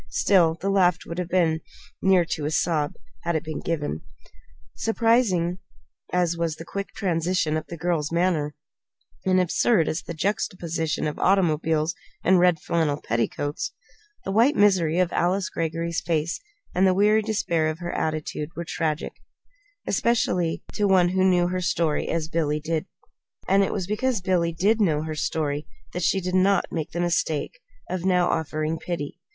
Still, the laugh would have been near to a sob, had it been given. Surprising as was the quick transition in the girl's manner, and absurd as was the juxtaposition of automobiles and red flannel petticoats, the white misery of Alice Greggory's face and the weary despair of her attitude were tragic specially to one who knew her story as did Billy Neilson. And it was because Billy did know her story that she did not make the mistake now of offering pity.